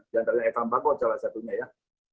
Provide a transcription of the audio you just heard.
contohnya ekan pakot salah satunya ya